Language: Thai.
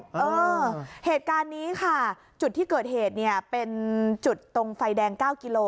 เออเหตุการณ์นี้ค่ะจุดที่เกิดเหตุเนี่ยเป็นจุดตรงไฟแดง๙กิโล